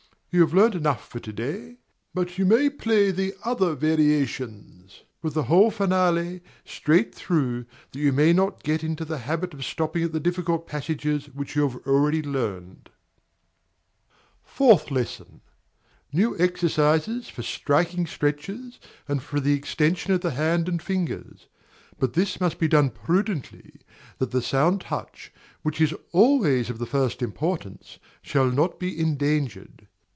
You have learned enough for to day; but you may play the other variations, with the whole finale, straight through, that you may not get into the habit of stopping at the difficult passages which you have already learned. Fourth Lesson. New exercises for striking stretches, and for the extension of the hand and fingers; but this must be done prudently, that the sound touch, which is always of the first importance, shall not be endangered.